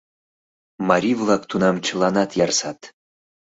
Марий-влак тунам чыланат ярсат.